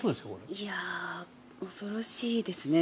いや、恐ろしいですね。